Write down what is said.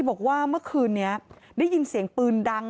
บอกว่าเมื่อคืนนี้ได้ยินเสียงปืนดัง